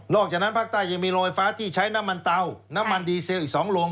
อกจากนั้นภาคใต้ยังมีโรยฟ้าที่ใช้น้ำมันเตาน้ำมันดีเซลอีก๒โรง